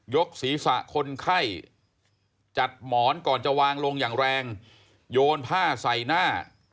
กศีรษะคนไข้จัดหมอนก่อนจะวางลงอย่างแรงโยนผ้าใส่หน้า